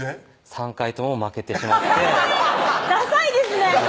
３回とも負けてしまってださいですね